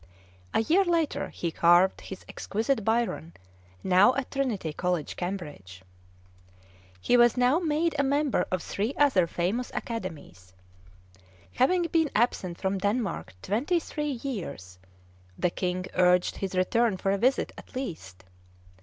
A year later, he carved his exquisite Byron, now at Trinity College, Cambridge. He was now made a member of three other famous academies. Having been absent from Denmark twenty three years, the King urged his return for a visit, at least.